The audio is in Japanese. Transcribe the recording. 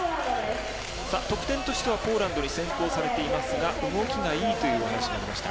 得点としてはポーランドに先行されていますが動きがいいというお話もありました。